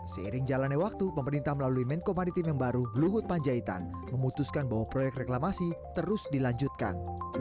seiring jalannya waktu pemerintah melalui menko maritim yang baru luhut panjaitan memutuskan bahwa proyek reklamasi terus dilanjutkan